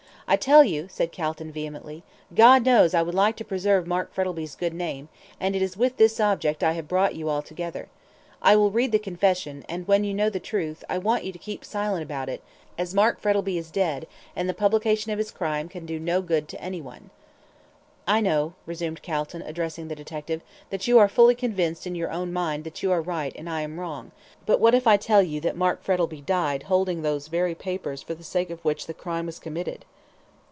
"I tell you no," said Calton, vehemently. "God knows I would like to preserve Mark Frettlby's good name, and it is with this object I have brought you all together. I will read the confession, and when you know the truth, I want you all to keep silent about it, as Mark Frettlby is dead, and the publication of his crime can do no good to anyone." "I know," resumed Calton, addressing the detective, "that you are fully convinced in your own mind that you are right and I am wrong, but what if I tell you that Mark Frettlby died holding those very papers for the sake of which the crime was committed?"